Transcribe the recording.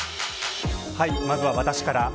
まずは私から。